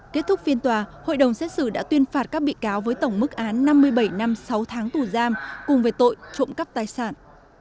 kết thúc phiên tòa hội đồng xét xử đã tuyên phạt các bị cáo với tổng mức án năm mươi bảy năm sáu tháng tù giam cùng về tội trộm cắp tài sản